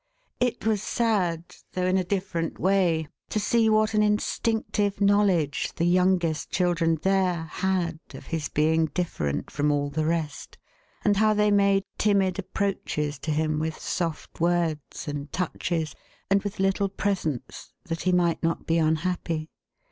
It was sad, though in a different way, to see what an instinctive know ledge the youngest children there, had of his being different from all the rest, and how they made timid approaches to him with soft words, and touches, and with little presents, that he might not be unhappy.